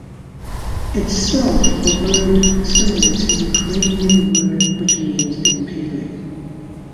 Itself the word similar to Ukrainian word which means "impaling".